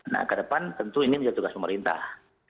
nah ke depan tentu ini menjadi tugas pemerintah